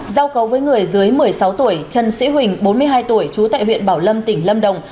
giao cấu với người dưới một mươi sáu tuổi trần sĩ huỳnh bốn mươi hai tuổi trú tại huyện bảo lâm tỉnh lâm đồng